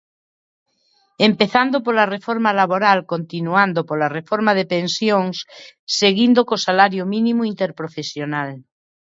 Empezando pola reforma laboral, continuando pola reforma de pensións, seguindo co salario mínimo interprofesional.